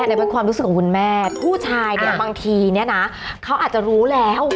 อันนี้เป็นความรู้สึกของคุณแม่ผู้ชายเนี่ยบางทีเนี่ยนะเขาอาจจะรู้แล้ว